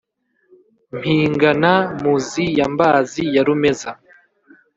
mpingana muzi ya mbazi ya rumeza,